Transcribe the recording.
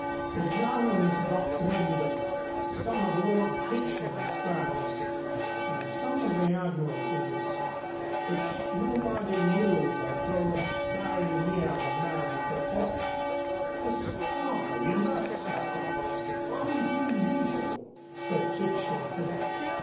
The Germans got wind of some of Lord Kitchener's plans and some of the Admiralty's which nobody knew but those very near the men at the top." "A spy in that circle unbelievable," said Kipshaven.